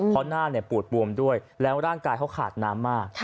เพราะหน้าปูดบวมด้วยแล้วร่างกายเขาขาดน้ำมาก